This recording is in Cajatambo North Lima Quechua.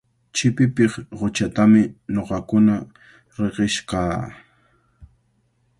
Chipipiq quchatami ñuqakuna riqish kaa.